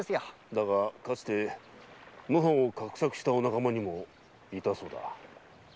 だがかつて謀反を画策したお仲間にもいたそうだ。